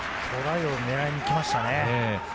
トライを狙いにいきましたね。